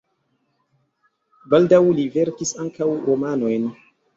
Baldaŭ li verkis ankaŭ romanojn.